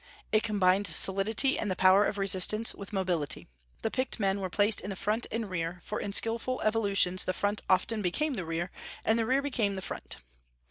It combined solidity and the power of resistance with mobility. The picked men were placed in the front and rear; for in skilful evolutions the front often became the rear, and the rear became the front.